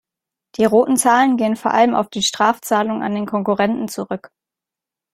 Die roten Zahlen gehen vor allem auf die Strafzahlungen an den Konkurrenten zurück.